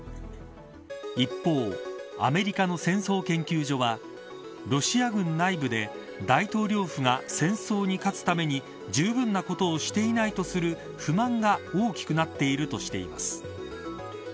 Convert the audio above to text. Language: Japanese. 一方、アメリカの戦争研究所はロシア軍内部で大統領府が戦争に勝つためにじゅうぶんなことをしていないとする不満が大きくなっているとしています。